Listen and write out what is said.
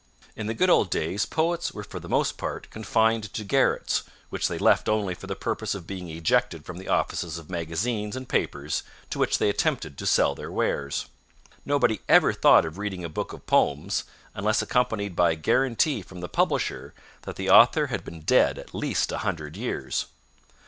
In the good old days poets were for the most part confined to garrets, which they left only for the purpose of being ejected from the offices of magazines and papers to which they attempted to sell their wares. Nobody ever thought of reading a book of poems unless accompanied by a guarantee from the publisher that the author had been dead at least a hundred years.